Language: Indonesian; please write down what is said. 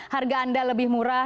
harga anda lebih murah